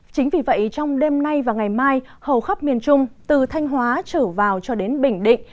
chính vì vậy trong đêm nay và ngày mai hầu khắp miền trung từ thanh hóa trở vào cho đến bình định